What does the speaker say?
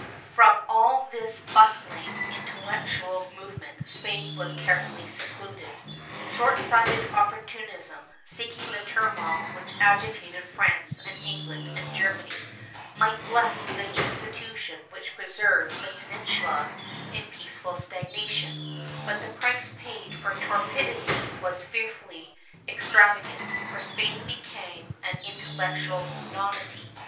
From all this bustling intellectual movement Spain was carefully secluded. Short sighted oppor tunism, seeing the turmoil which agitated France and England and Germany, might bless the institution which preserved the Peninsula in peaceful stagnation, but the price paid for torpidity was fearfully extravagant, for Spain became an intellectual nonentity.